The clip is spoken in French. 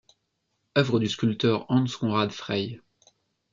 Œuvre du sculpteur Hans Conrad Frey.